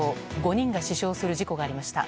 ５人が死傷する事故がありました。